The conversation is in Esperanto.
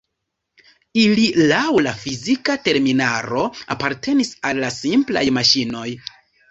Ili laŭ la fizika terminaro apartenas al la simplaj maŝinoj.